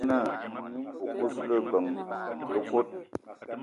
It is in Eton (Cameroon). Me wog-na o kousma leben le kot